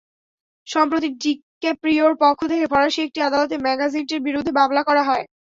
সম্প্রতি ডিক্যাপ্রিওর পক্ষ থেকে ফরাসি একটি আদালতে ম্যাগাজিনটির বিরুদ্ধে মামলা করা হয়।